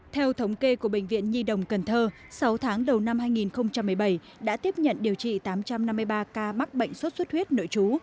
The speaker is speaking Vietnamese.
theo thống kê của bệnh viện nhi đồng cần thơ sáu tháng đầu năm hai nghìn một mươi bảy đã tiếp nhận điều trị tám trăm năm mươi ba ca mắc bệnh sốt xuất huyết nội trú